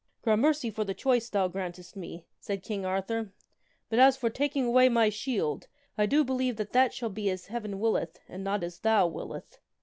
" Gramercy for the choice thou grantest me," said King Arthur. " But as for taking away my shield I do believe that that shall be as Heaven willeth, and not as thou wiliest.